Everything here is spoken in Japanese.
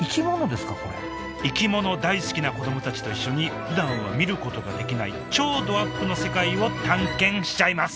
これ生き物大好きな子どもたちと一緒にふだんは見ることができない超どアップの世界を探検しちゃいます！